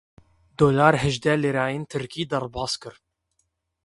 Dolar hejdeh lîreyên tirkî derbas kir.